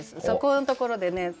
そこのところでね